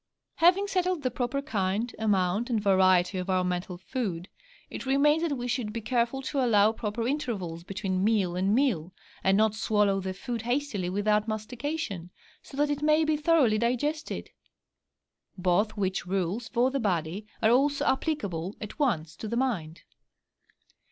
Having settled the proper kind, amount, and variety of our mental food, it remains that we should be careful to allow proper intervals between meal and meal, and not swallow the food hastily without mastication, so that it may be thoroughly digested; both which rules, for the body, are also applicable at once to the mind.